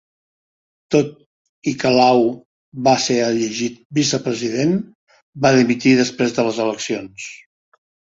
Tot i que Lau va ser elegit vicepresident, va dimitir després de les eleccions.